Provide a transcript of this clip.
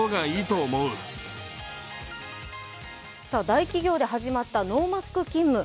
大企業で始まったノーマスク勤務。